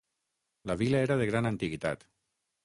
La vila era de gran antiguitat.